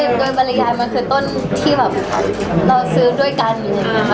ก็เลยโดยบรรยายมันคือต้นที่แบบเราซื้อด้วยกันอย่างเนี่ยค่ะ